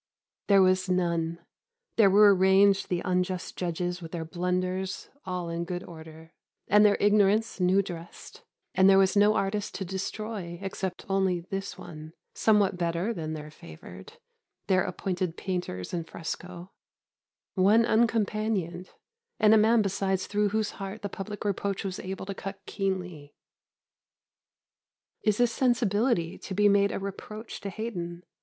There was none. There were ranged the unjust judges with their blunders all in good order, and their ignorance new dressed, and there was no artist to destroy except only this one, somewhat better than their favoured, their appointed painters in fresco; one uncompanioned, and a man besides through whose heart the public reproach was able to cut keenly. Is this sensibility to be made a reproach to Haydon?